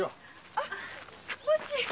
あのもし。